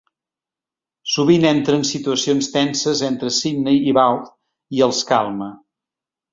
Sovint entra en situacions tenses entre Sydney i Vaughn i els calma.